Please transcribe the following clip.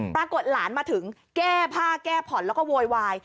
ปรากฏหลานมาถึงแก้ผ้าแก้ผ่อนแล้วก็โวยวาย